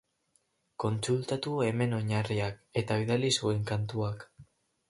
Kontsultatu hemen oinarriak, eta bidali zuen kantuak.